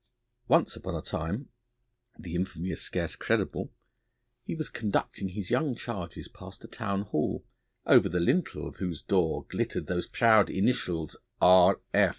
Once upon a time the infamy is scarce credible he was conducting his young charges past a town hall, over the lintel of whose door glittered those proud initials 'R.